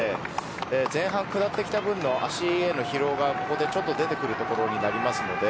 前半くらってきた分の足の疲労がここで出てくるところになります。